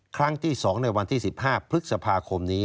ครั้งที่๒ในวันที่๑๕พฤษภาคมนี้